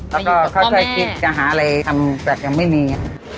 มาอยู่กับตัวแม่แล้วก็ค่อยคิดจะหาอะไรทำแปลกอย่างไม่มี